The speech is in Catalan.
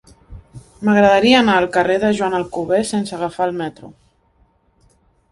M'agradaria anar al carrer de Joan Alcover sense agafar el metro.